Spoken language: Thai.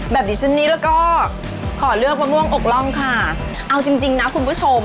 ดิฉันนี้แล้วก็ขอเลือกมะม่วงอกร่องค่ะเอาจริงจริงนะคุณผู้ชม